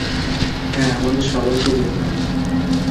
হ্যাঁ, আমাদের সবাইকে যেতে হবে।